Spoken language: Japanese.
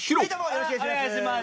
よろしくお願いします。